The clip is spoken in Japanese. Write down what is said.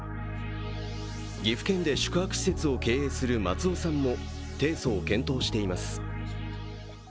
岐阜県で宿泊施設を経営する松尾さんも提訴を検討しています。